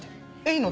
いいの？